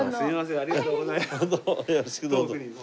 ありがとうございます。